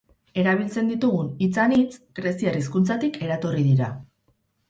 Erabiltzen ditugun hitz anitz greziar hizkuntzatik eratorri dira.